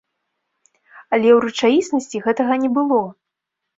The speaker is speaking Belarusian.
Але ў рэчаіснасці гэтага не было!